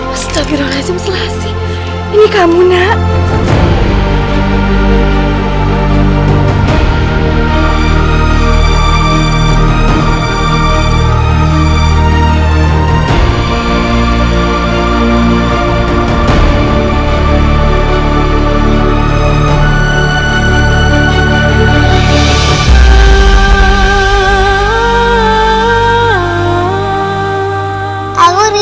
astagfirullahaladzim selasih ini kamu nak